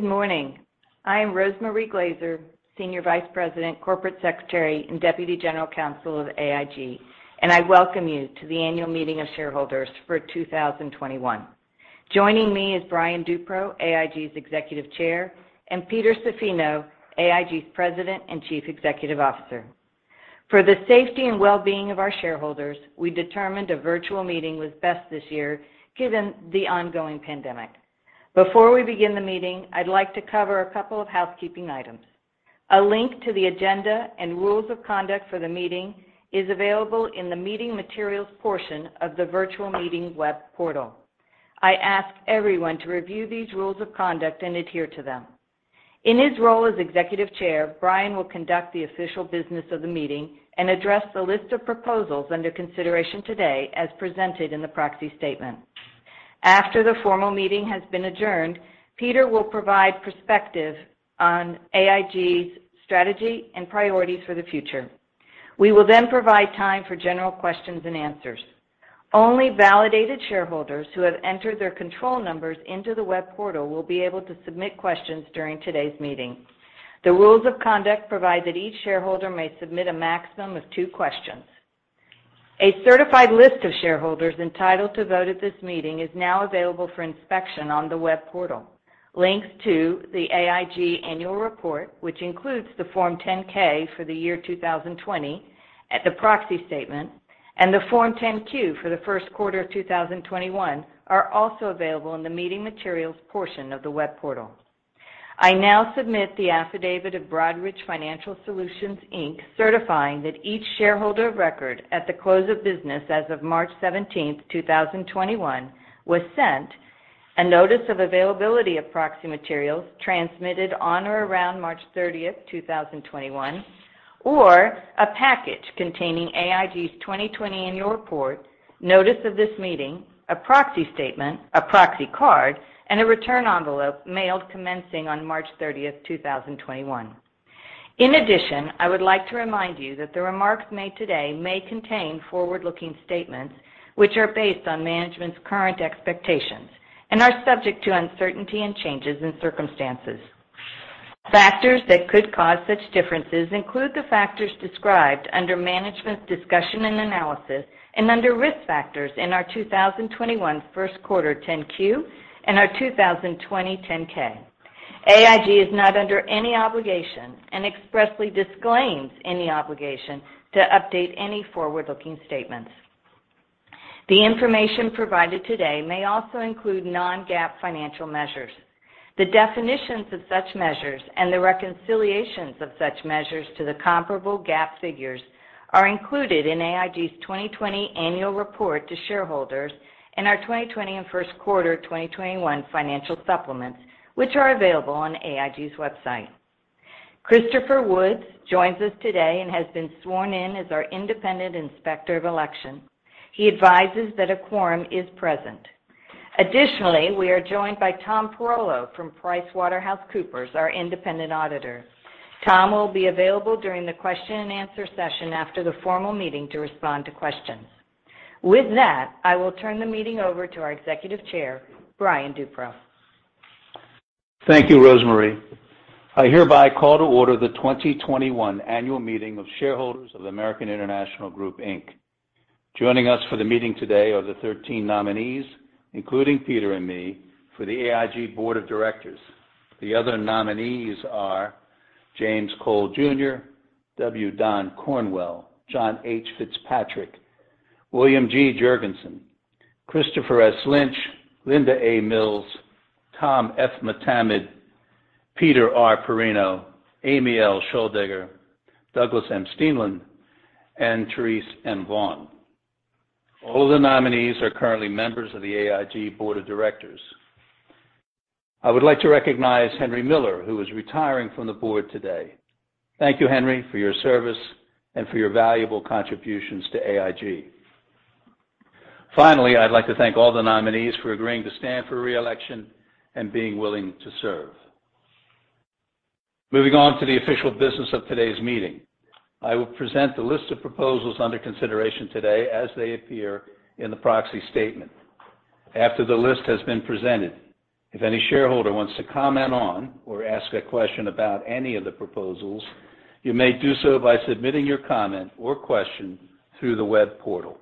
Good morning. I am Rose Marie Glazer, Senior Vice President, Corporate Secretary, and Deputy General Counsel of AIG, and I welcome you to the annual meeting of shareholders for 2021. Joining me is Brian Duperreault, AIG's Executive Chair, and Peter Zaffino, AIG's President and Chief Executive Officer. For the safety and wellbeing of our shareholders, we determined a virtual meeting was best this year, given the ongoing pandemic. Before we begin the meeting, I'd like to cover a couple of housekeeping items. A link to the agenda and rules of conduct for the meeting is available in the meeting materials portion of the virtual meeting web portal. I ask everyone to review these rules of conduct and adhere to them. In his role as Executive Chair, Brian will conduct the official business of the meeting and address the list of proposals under consideration today as presented in the proxy statement. After the formal meeting has been adjourned, Peter will provide perspective on AIG's strategy and priorities for the future. We will then provide time for general questions and answers. Only validated shareholders who have entered their control numbers into the web portal will be able to submit questions during today's meeting. The rules of conduct provide that each shareholder may submit a maximum of two questions. A certified list of shareholders entitled to vote at this meeting is now available for inspection on the web portal. Links to the AIG annual report, which includes the Form 10-K for the year 2020 at the proxy statement, and the Form 10-Q for the first quarter of 2021 are also available in the meeting materials portion of the web portal. I now submit the affidavit of Broadridge Financial Solutions, Inc., certifying that each shareholder of record at the close of business as of March 17th, 2021 was sent a notice of availability of proxy materials transmitted on or around March 30th, 2021, or a package containing AIG's 2020 annual report, notice of this meeting, a proxy statement, a proxy card, and a return envelope mailed commencing on March 30th, 2021. In addition, I would like to remind you that the remarks made today may contain forward-looking statements, which are based on management's current expectations and are subject to uncertainty and changes in circumstances. Factors that could cause such differences include the factors described under Management's Discussion and Analysis and under Risk Factors in our 2021 first quarter 10-Q and our 2020 10-K. AIG is not under any obligation and expressly disclaims any obligation to update any forward-looking statements. The information provided today may also include non-GAAP financial measures. The definitions of such measures and the reconciliations of such measures to the comparable GAAP figures are included in AIG's 2020 annual report to shareholders and our 2020 and first quarter 2021 financial supplements, which are available on AIG's website. Christopher Woods joins us today and has been sworn in as our independent inspector of election. He advises that a quorum is present. Additionally, we are joined by Tom Tigue from PricewaterhouseCoopers, our independent auditor. Tom will be available during the question and answer session after the formal meeting to respond to questions. With that, I will turn the meeting over to our Executive Chairman, Brian Duperrault. Thank you, Rosemarie. I hereby call to order the 2021 annual meeting of shareholders of American International Group, Inc. Joining us for the meeting today are the 13 nominees, including Peter and me, for the AIG Board of Directors. The other nominees are James Cole Jr., W. Don Cornwell, John H. Fitzpatrick, William G. Jurgensen, Christopher S. Lynch, Linda A. Mills, Tom F. Motamed, Peter R. Porrino, Amy L. Schioldager, Douglas M. Steenland, and Therese M. Vaughan. All the nominees are currently members of the AIG Board of Directors. I would like to recognize Henry Miller, who is retiring from the board today. Thank you, Henry, for your service and for your valuable contributions to AIG. Finally, I'd like to thank all the nominees for agreeing to stand for re-election and being willing to serve. Moving on to the official business of today's meeting. I will present the list of proposals under consideration today as they appear in the proxy statement. After the list has been presented, if any shareholder wants to comment on or ask a question about any of the proposals, you may do so by submitting your comment or question through the web portal.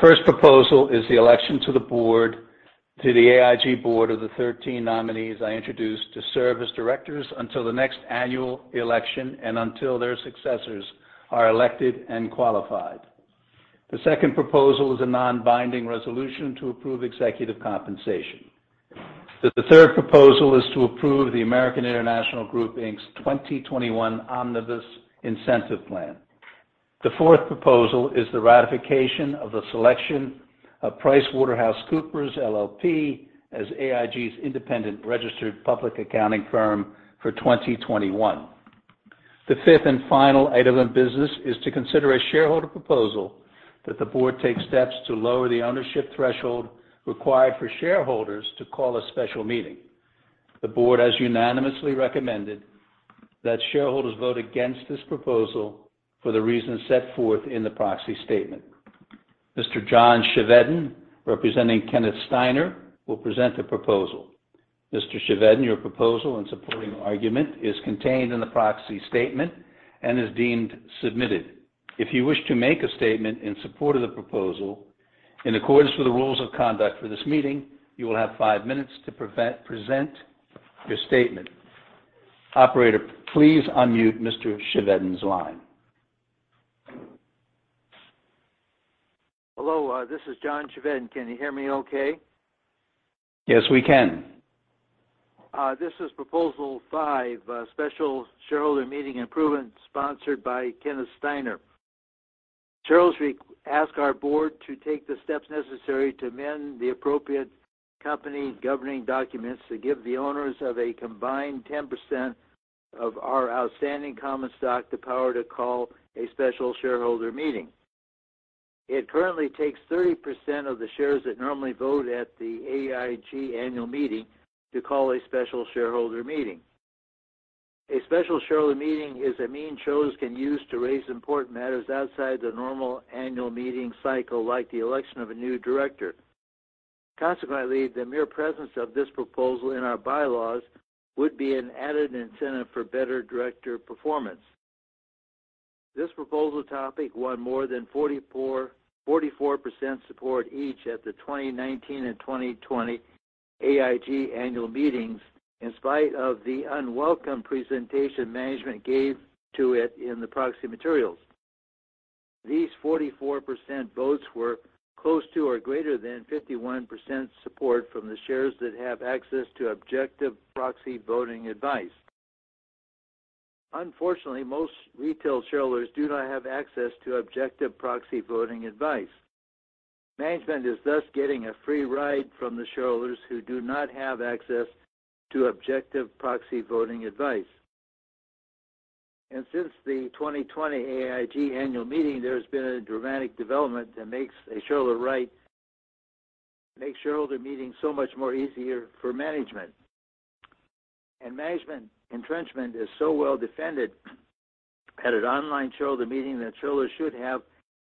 First proposal is the election to the AIG board of the 13 nominees I introduced to serve as directors until the next annual election and until their successors are elected and qualified. The second proposal is a non-binding resolution to approve executive compensation. The third proposal is to approve the American International Group, Inc.'s 2021 omnibus incentive plan. The fourth proposal is the ratification of the selection of PricewaterhouseCoopers LLP as AIG's independent registered public accounting firm for 2021. The fifth and final item of business is to consider a shareholder proposal that the board take steps to lower the ownership threshold required for shareholders to call a special meeting. The board has unanimously recommended that shareholders vote against this proposal for the reasons set forth in the proxy statement. Mr. John Chevedden, representing Kenneth Steiner, will present the proposal. Mr. Chevedden, your proposal and supporting argument is contained in the proxy statement and is deemed submitted. If you wish to make a statement in support of the proposal, in accordance with the rules of conduct for this meeting, you will have five minutes to present your statement. Operator, please unmute Mr. Chevedden's line. Hello, this is John Chevedden. Can you hear me okay? Yes, we can. This is Proposal 5, Special Shareholder Meeting Improvement, sponsored by Kenneth Steiner. Shareholders ask our board to take the steps necessary to amend the appropriate company governing documents to give the owners of a combined 10% of our outstanding common stock the power to call a special shareholder meeting. It currently takes 30% of the shares that normally vote at the AIG annual meeting to call a special shareholder meeting. A special shareholder meeting is a means shareholders can use to raise important matters outside the normal annual meeting cycle, like the election of a new director. Consequently, the mere presence of this proposal in our bylaws would be an added incentive for better director performance. This proposal topic won more than 44% support each at the 2019 and 2020 AIG annual meetings, in spite of the unwelcome presentation management gave to it in the proxy materials. These 44% votes were close to or greater than 51% support from the shares that have access to objective proxy voting advice. Unfortunately, most retail shareholders do not have access to objective proxy voting advice. Management is thus getting a free ride from the shareholders who do not have access to objective proxy voting advice. Since the 2020 AIG annual meeting, there has been a dramatic development that makes shareholder meetings so much more easier for management. Management entrenchment is so well-defended at an online shareholder meeting that shareholders should have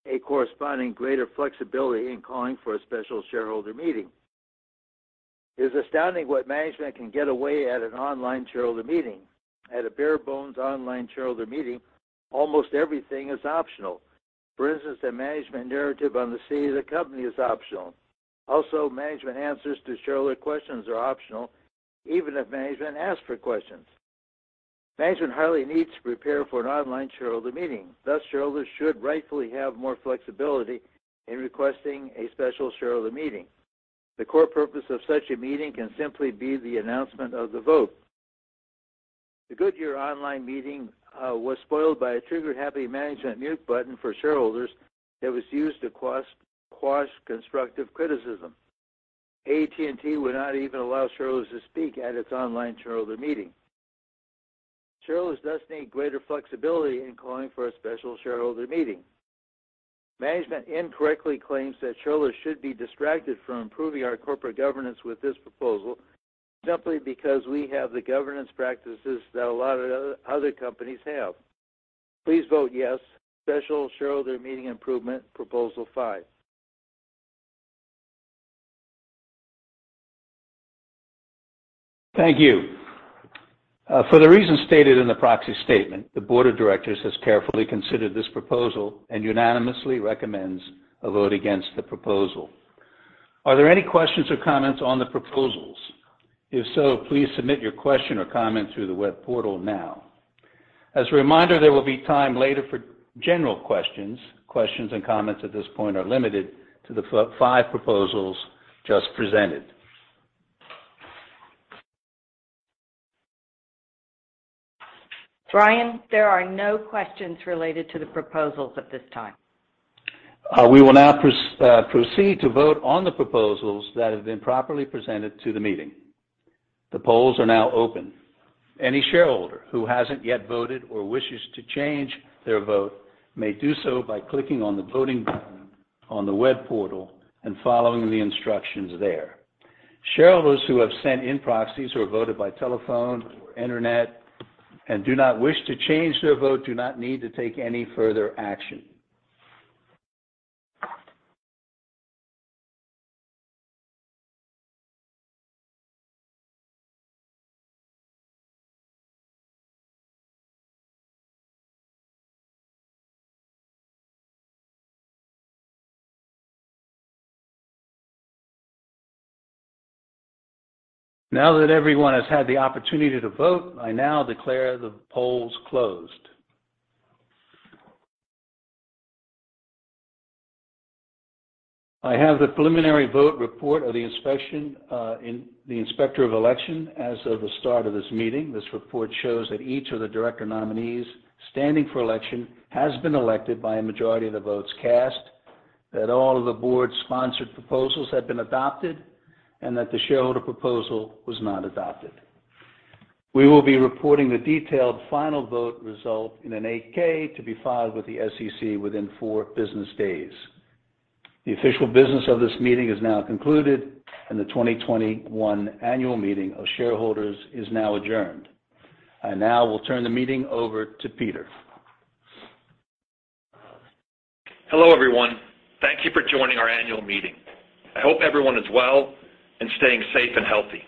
a corresponding greater flexibility in calling for a special shareholder meeting. It is astounding what management can get away at an online shareholder meeting. At a bare bones online shareholder meeting, almost everything is optional. For instance, a management narrative on the state of the company is optional. Also, management answers to shareholder questions are optional, even if management asks for questions. Management hardly needs to prepare for an online shareholder meeting. Shareholders should rightfully have more flexibility in requesting a special shareholder meeting. The core purpose of such a meeting can simply be the announcement of the vote. The Goodyear online meeting was spoiled by a trigger-happy management mute button for shareholders that was used to quash constructive criticism. AT&T would not even allow shareholders to speak at its online shareholder meeting. Shareholders need greater flexibility in calling for a special shareholder meeting. Management incorrectly claims that shareholders should be distracted from improving our corporate governance with this proposal simply because we have the governance practices that a lot of other companies have. Please vote yes. Special Shareholder Meeting Improvement, Proposal 5. Thank you. For the reasons stated in the proxy statement, the board of directors has carefully considered this proposal and unanimously recommends a vote against the proposal. Are there any questions or comments on the proposals? If so, please submit your question or comment through the web portal now. As a reminder, there will be time later for general questions. Questions and comments at this point are limited to the five proposals just presented. Brian, there are no questions related to the proposals at this time. We will now proceed to vote on the proposals that have been properly presented to the meeting. The polls are now open. Any shareholder who hasn't yet voted or wishes to change their vote may do so by clicking on the voting button on the web portal and following the instructions there. Shareholders who have sent in proxies or voted by telephone or internet and do not wish to change their vote do not need to take any further action. Now that everyone has had the opportunity to vote, I now declare the polls closed. I have the preliminary vote report of the inspector of election as of the start of this meeting. This report shows that each of the director nominees standing for election has been elected by a majority of the votes cast, that all of the board's sponsored proposals have been adopted, and that the shareholder proposal was not adopted. We will be reporting the detailed final vote result in an 8-K to be filed with the SEC within four business days. The official business of this meeting is now concluded, and the 2021 annual meeting of shareholders is now adjourned. Now we'll turn the meeting over to Peter. Hello, everyone. Thank you for joining our annual meeting. I hope everyone is well and staying safe and healthy.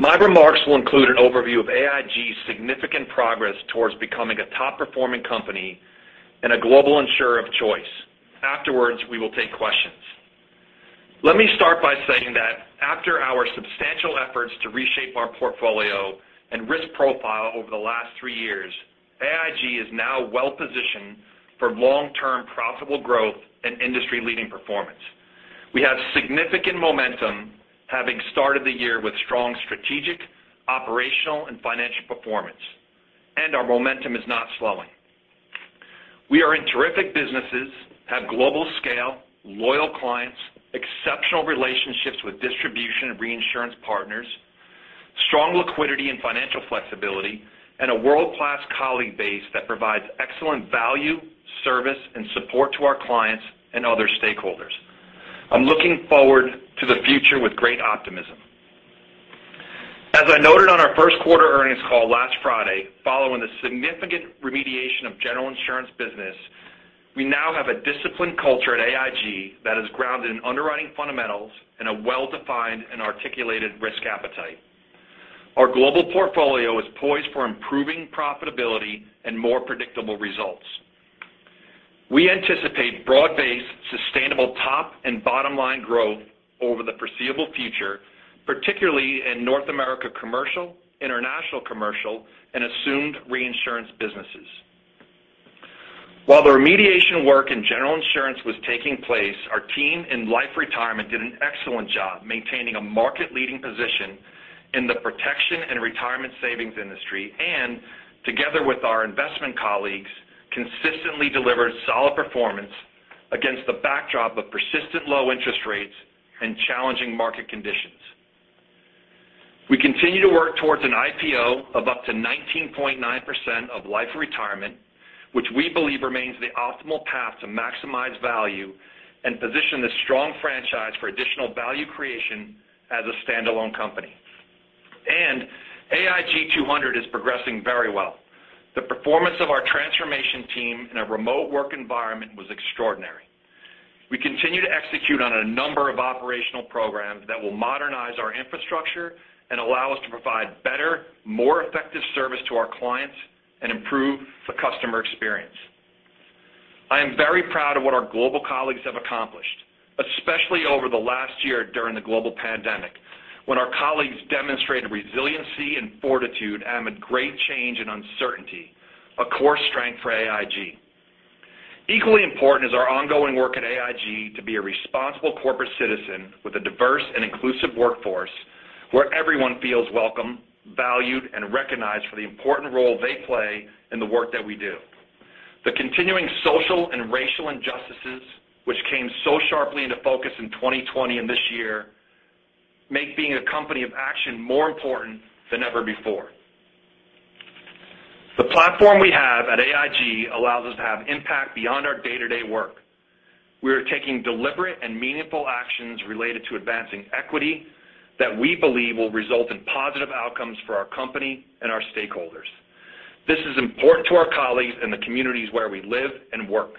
My remarks will include an overview of AIG's significant progress towards becoming a top-performing company and a global insurer of choice. Afterwards, we will take questions. Let me start by saying that after our substantial efforts to reshape our portfolio and risk profile over the last three years, AIG is now well-positioned for long-term profitable growth and industry-leading performance. We have significant momentum, having started the year with strong strategic, operational, and financial performance, and our momentum is not slowing. We are in terrific businesses, have global scale, loyal clients, exceptional relationships with distribution and reinsurance partners, strong liquidity and financial flexibility, and a world-class colleague base that provides excellent value, service, and support to our clients and other stakeholders. I'm looking forward to the future with great optimism. As I noted on our first-quarter earnings call last Friday, following the significant remediation of General Insurance business, we now have a disciplined culture at AIG that is grounded in underwriting fundamentals and a well-defined and articulated risk appetite. Our global portfolio is poised for improving profitability and more predictable results. We anticipate broad-based, sustainable top and bottom-line growth over the foreseeable future, particularly in North America commercial, international commercial, and assumed reinsurance businesses. While the remediation work in General Insurance was taking place, our team in Life & Retirement did an excellent job maintaining a market-leading position in the protection and retirement savings industry, and together with our investment colleagues, consistently delivered solid performance against the backdrop of persistent low interest rates and challenging market conditions. We continue to work towards an IPO of up to 19.9% of Life & Retirement, which we believe remains the optimal path to maximize value and position this strong franchise for additional value creation as a standalone company. AIG 200 is progressing very well. The performance of our transformation team in a remote work environment was extraordinary. We continue to execute on a number of operational programs that will modernize our infrastructure and allow us to provide better, more effective service to our clients and improve the customer experience. I am very proud of what our global colleagues have accomplished, especially over the last year during the global pandemic, when our colleagues demonstrated resiliency and fortitude amid great change and uncertainty, a core strength for AIG. Equally important is our ongoing work at AIG to be a responsible corporate citizen with a diverse and inclusive workforce, where everyone feels welcome, valued, and recognized for the important role they play in the work that we do. The continuing social and racial injustices, which came so sharply into focus in 2020 and this year, make being a company of action more important than ever before. The platform we have at AIG allows us to have impact beyond our day-to-day work. We are taking deliberate and meaningful actions related to advancing equity that we believe will result in positive outcomes for our company and our stakeholders. This is important to our colleagues in the communities where we live and work.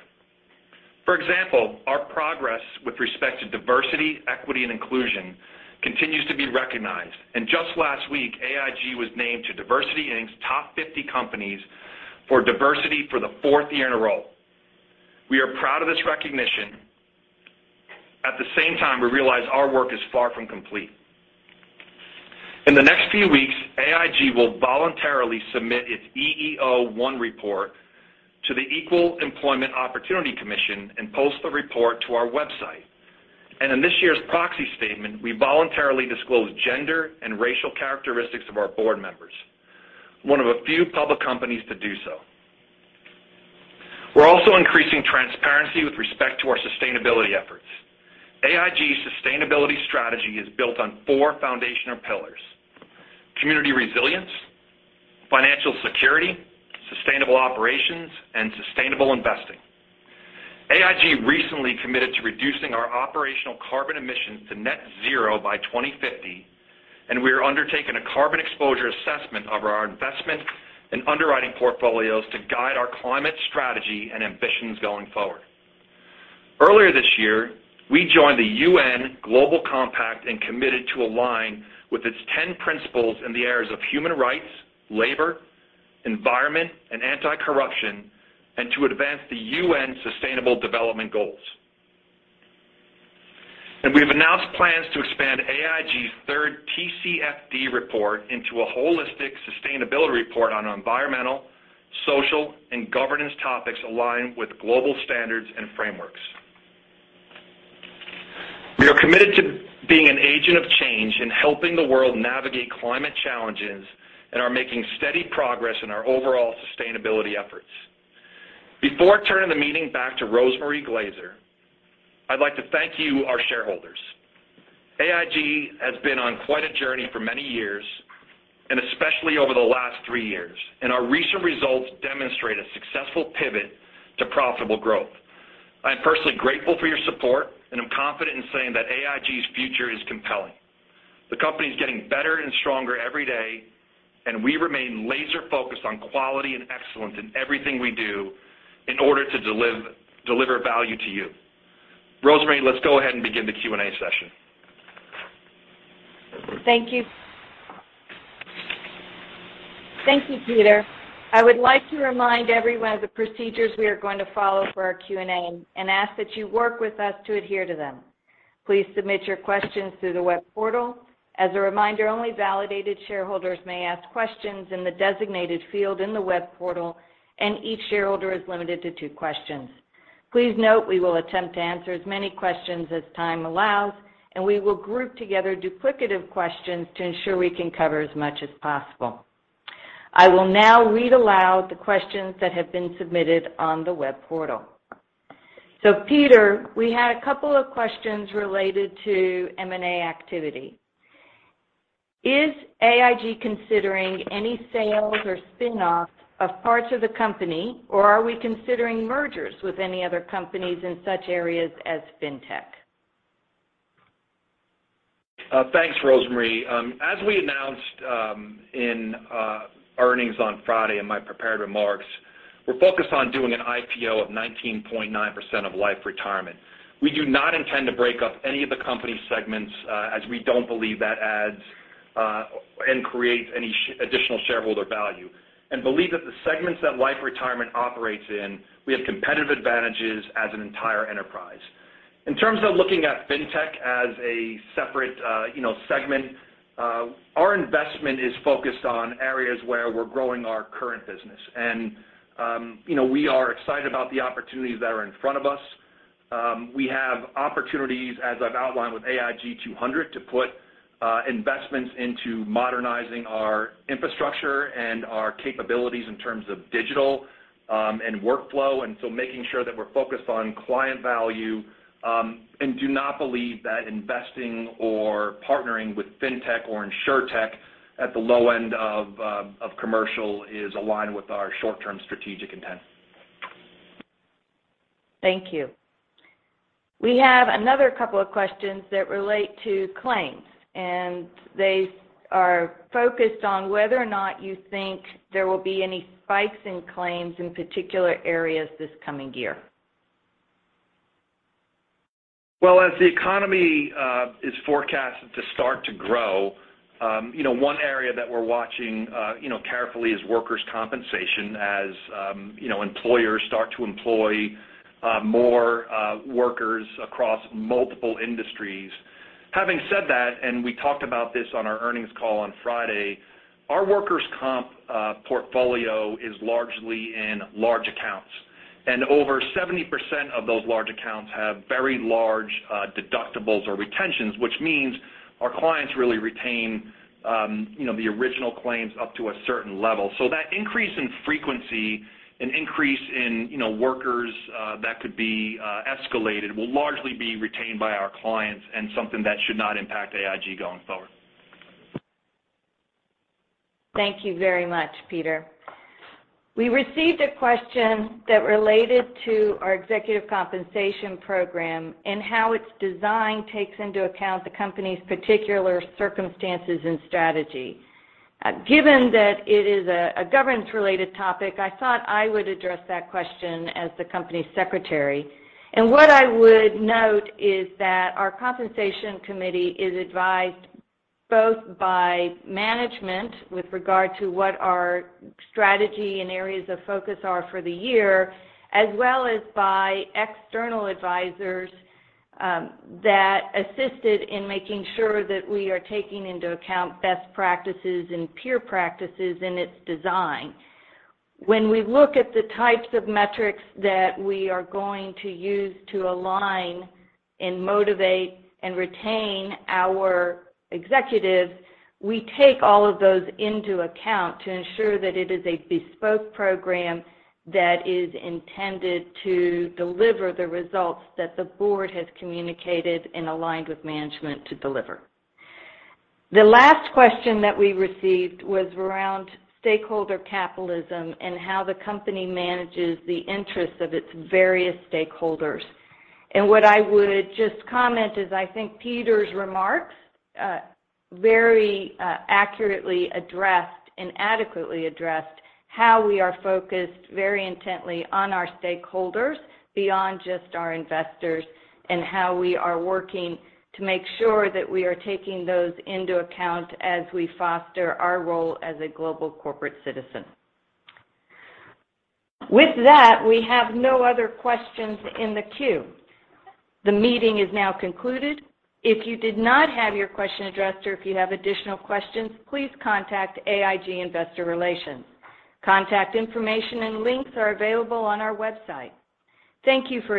For example, our progress with respect to diversity, equity, and inclusion continues to be recognized. Just last week, AIG was named to DiversityInc's Top 50 Companies for Diversity for the fourth year in a row. We are proud of this recognition. At the same time, we realize our work is far from complete. In the next few weeks, AIG will voluntarily submit its EEO-1 report to the Equal Employment Opportunity Commission and post the report to our website. In this year's proxy statement, we voluntarily disclose gender and racial characteristics of our board members, one of a few public companies to do so. We're also increasing transparency with respect to our sustainability efforts. AIG's sustainability strategy is built on four foundational pillars. Community Resilience, Financial Security, Sustainable Operations, and Sustainable Investing. AIG recently committed to reducing our operational carbon emissions to net zero by 2050, and we are undertaking a carbon exposure assessment of our investment and underwriting portfolios to guide our climate strategy and ambitions going forward. Earlier this year, we joined the UN Global Compact and committed to align with its 10 principles in the areas of human rights, labor, environment, and anti-corruption, and to advance the UN Sustainable Development Goals. We've announced plans to expand AIG's third TCFD report into a holistic sustainability report on environmental, social, and governance topics aligned with global standards and frameworks. We are committed to being an agent of change in helping the world navigate climate challenges and are making steady progress in our overall sustainability efforts. Before turning the meeting back to Rose Marie Glazer, I'd like to thank you, our shareholders. AIG has been on quite a journey for many years, especially over the last three years, and our recent results demonstrate a successful pivot to profitable growth. I'm personally grateful for your support, and I'm confident in saying that AIG's future is compelling. The company is getting better and stronger every day, and we remain laser-focused on quality and excellence in everything we do in order to deliver value to you. Rose marie, let's go ahead and begin the Q&A session. Thank you. Thank you, Peter. I would like to remind everyone of the procedures we are going to follow for our Q&A and ask that you work with us to adhere to them. Please submit your questions through the web portal. As a reminder, only validated shareholders may ask questions in the designated field in the web portal, and each shareholder is limited to two questions. Please note we will attempt to answer as many questions as time allows, and we will group together duplicative questions to ensure we can cover as much as possible. I will now read aloud the questions that have been submitted on the web portal. Peter, we had a couple of questions related to M&A activity. Is AIG considering any sales or spin-offs of parts of the company, or are we considering mergers with any other companies in such areas as fintech? Thanks, Rose Marie. As we announced in earnings on Friday in my prepared remarks, we're focused on doing an IPO of 19.9% of Life & Retirement. We do not intend to break up any of the company segments, as we don't believe that adds and creates any additional shareholder value. We believe that the segments that Life & Retirement operates in, we have competitive advantages as an entire enterprise. In terms of looking at fintech as a separate segment, our investment is focused on areas where we're growing our current business. We are excited about the opportunities that are in front of us. We have opportunities, as I've outlined with AIG 200, to put investments into modernizing our infrastructure and our capabilities in terms of digital and workflow, and so making sure that we're focused on client value, and do not believe that investing or partnering with fintech or insurtech at the low end of commercial is aligned with our short-term strategic intent. Thank you. They are focused on whether or not you think there will be any spikes in claims in particular areas this coming year. Well, as the economy is forecasted to start to grow, one area that we're watching carefully is workers' compensation, as employers start to employ more workers across multiple industries. Having said that, and we talked about this on our earnings call on Friday, our workers' comp portfolio is largely in large accounts. Over 70% of those large accounts have very large deductibles or retentions, which means our clients really retain the original claims up to a certain level. That increase in frequency and increase in workers that could be escalated will largely be retained by our clients and something that should not impact AIG going forward. Thank you very much, Peter. We received a question that related to our executive compensation program and how its design takes into account the company's particular circumstances and strategy. Given that it is a governance-related topic, I thought I would address that question as the Company Secretary. What I would note is that our compensation committee is advised both by management with regard to what our strategy and areas of focus are for the year, as well as by external advisors that assisted in making sure that we are taking into account best practices and peer practices in its design. When we look at the types of metrics that we are going to use to align and motivate and retain our executives, we take all of those into account to ensure that it is a bespoke program that is intended to deliver the results that the board has communicated and aligned with management to deliver. The last question that we received was around stakeholder capitalism and how the company manages the interests of its various stakeholders. What I would just comment is, I think Peter's remarks very accurately addressed and adequately addressed how we are focused very intently on our stakeholders beyond just our investors, and how we are working to make sure that we are taking those into account as we foster our role as a global corporate citizen. With that, we have no other questions in the queue. The meeting is now concluded. If you did not have your question addressed or if you have additional questions, please contact AIG Investor Relations. Contact information and links are available on our website. Thank you for joining.